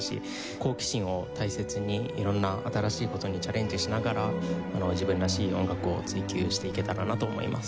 好奇心を大切に色んな新しい事にチャレンジしながら自分らしい音楽を追求していけたらなと思います。